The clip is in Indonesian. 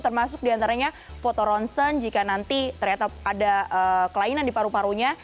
termasuk diantaranya foto ronsen jika nanti ternyata ada kelainan di paru parunya